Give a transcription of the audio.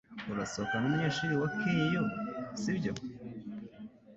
Urasohokana numunyeshuri wa Keio, sibyo?